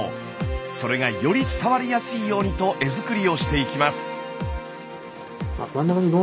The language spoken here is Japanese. それがより伝わりやすいようにと絵作りをしていきます。